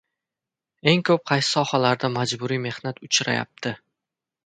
Eng ko‘p qaysi sohalarda majburiy mehnat uchrayapti?